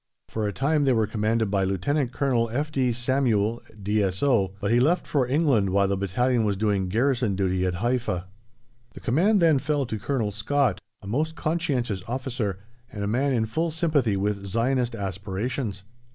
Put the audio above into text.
For a time they were commanded by Lieut. Colonel F. D. Samuel D.S.O., but he left for England while the battalion was doing garrison duty at Haifa. The command then fell to Colonel Scott, a most conscientious officer, and a man in full sympathy with Zionist aspirations.